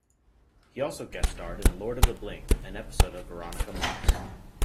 He also guest-starred in "Lord of the Bling", an episode of "Veronica Mars".